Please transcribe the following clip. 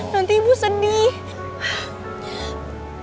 nanti ibu sedih